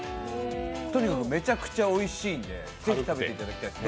とにかくめちゃくちゃおいしいんで、ぜひ食べていただきたいです。